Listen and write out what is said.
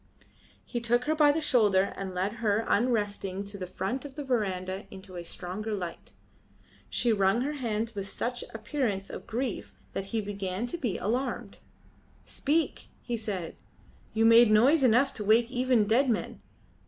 He took her by the shoulder and led her unresisting to the front of the verandah into a stronger light. She wrung her hands with such an appearance of grief that he began to be alarmed. "Speak," he said. "You made noise enough to wake even dead men.